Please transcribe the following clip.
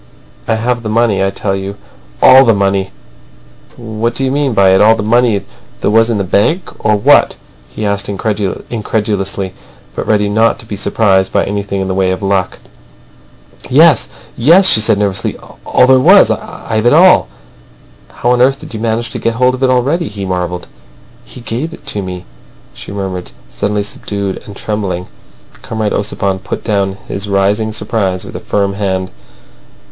"I have the money, I tell you. All the money." "What do you mean by it? All the money there was in the bank, or what?" he asked incredulously, but ready not to be surprised at anything in the way of luck. "Yes, yes!" she said nervously. "All there was. I've it all." "How on earth did you manage to get hold of it already?" he marvelled. "He gave it to me," she murmured, suddenly subdued and trembling. Comrade Ossipon put down his rising surprise with a firm hand.